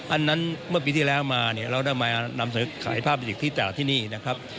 อันนั้นเมื่อปีที่แล้วมาเราได้มานำเสนอขายผ้าบาติกจากที่นี่นะครับ